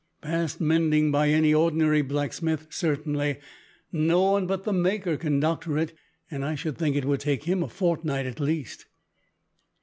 "Past mending by any ordinary blacksmith, certainly. No one but the maker can doctor it, and I should think it would take him a fortnight at least."